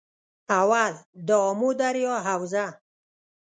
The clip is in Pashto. اول- دآمو دریا حوزه